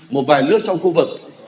một vài nước trong khu vực